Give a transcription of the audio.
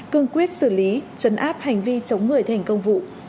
cương quyết xử lý chấn áp hành vi chống người thành công vụ